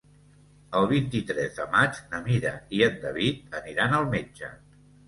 El vint-i-tres de maig na Mira i en David aniran al metge.